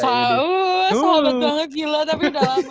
sahabat banget gila tapi udah lama gak ketemu